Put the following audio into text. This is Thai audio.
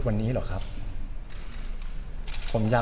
เหมือนซาร่าเขาบอกว่าทำไมเราไม่คุยกันเองในครอบครัวทำไมมันจะต้องมีสื่อออกมาครับ